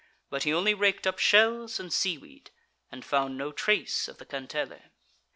But he only raked up shells and seaweed, and found no trace of the kantele.